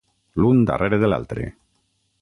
L'un darrere de l'altre.